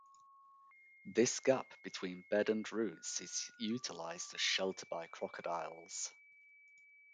This gap between bed and roots is utilised as shelter by crocodiles.